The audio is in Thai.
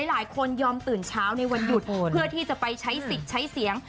หลายคนยอมตื่นเช้าในวันหยุดเพื่อที่จะไปใช้สิทธิ์ใช้เสียง